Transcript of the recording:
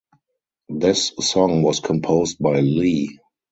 This song was composed by Lee.